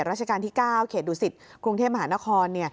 พระราชกาลที่๙เขตดุสิทธิ์กรุงเทพมหานคร